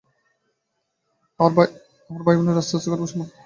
আমার ভাইবোনেরা আস্তে করে সামনে থেকে সরে যেতে লাগলো।